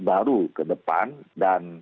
baru ke depan dan